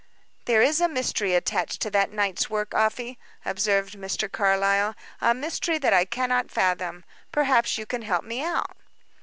"There is a mystery attached to that night's work, Afy," observed Mr. Carlyle; "a mystery that I cannot fathom. Perhaps you can help me out."